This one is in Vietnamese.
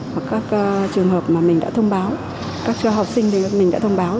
hoặc các trường hợp mà mình đã thông báo các học sinh mình đã thông báo